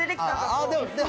あぁでも。